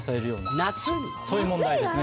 そういう問題ですね。